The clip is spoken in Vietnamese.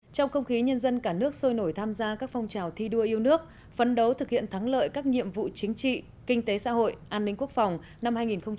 trong không khí nhân dân cả nước sôi nổi tham gia các phong trào thi đua yêu nước phấn đấu thực hiện thắng lợi các nhiệm vụ chính trị kinh tế xã hội an ninh quốc phòng năm hai nghìn hai mươi